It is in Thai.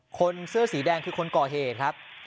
คนเสื้อสีแดงคือคนก่อเหตุครับ